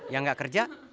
yang gak kerja